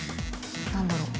何だろう